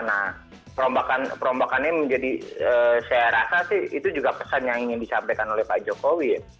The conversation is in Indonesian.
nah perombakan perombakannya menjadi saya rasa sih itu juga pesan yang ingin disampaikan oleh pak jokowi ya